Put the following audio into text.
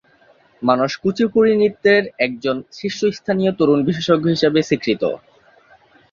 মানস কুচিপুড়ি নৃত্যের একজন শীর্ষস্থানীয় তরুণ বিশেষজ্ঞ হিসাবে স্বীকৃত।